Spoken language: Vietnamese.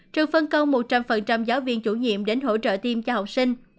trường phân công một trăm linh giáo viên chủ nhiệm đến hỗ trợ tiêm cho học sinh